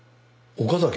岡崎？